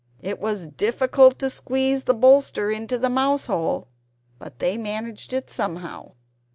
It was difficult to squeeze the bolster into the mouse hole; but they managed it somehow.